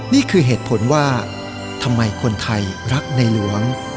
นี่คือเหตุผลว่าทำไมคนไทยรักในหลวง